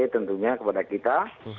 tentunya kepada kita